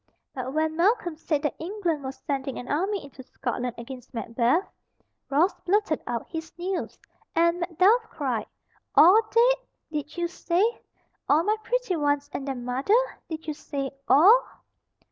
But when Malcolm said that England was sending an army into Scotland against Macbeth, Ross blurted out his news, and Macduff cried, "All dead, did you say? All my pretty ones and their mother? Did you say all?"